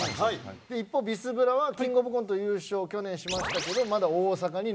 一方ビスブラはキングオブコント優勝を去年しましたけどまだ大阪に残り続けてる。